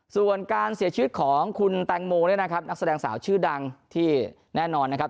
ส่วนการเสียชีวิตของคุณแตงโมเนี่ยนะครับนักแสดงสาวชื่อดังที่แน่นอนนะครับ